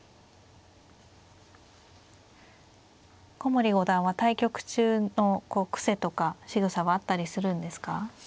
古森五段は対局中の癖とかしぐさはあったりするんですか。